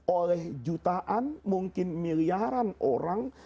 oleh jutaan mungkin miliaran orang